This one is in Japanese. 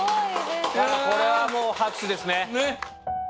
これはもう拍手です。